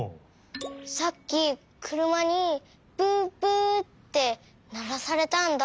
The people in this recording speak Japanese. さっきくるまに「プップッ」ってならされたんだ。